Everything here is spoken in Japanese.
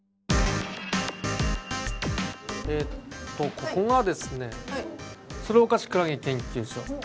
ここがですね鶴岡市クラゲ研究所。